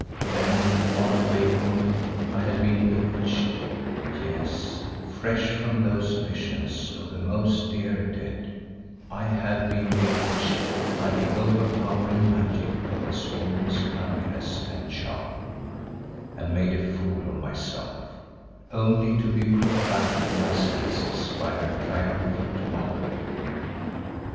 Then, on awaking, I had been bewitched; yes, fresh from those visions of the most dear dead, I had been bewitched by the overpowering magic of this woman's loveliness and charm, and made a fool of myself, only to be brought back to my senses by her triumphant mockery.